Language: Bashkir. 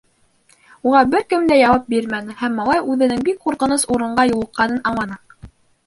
Уға бер кем дә яуап бирмәне һәм малай үҙенең бик ҡурҡыныс урынға юлыҡҡанын аңланы.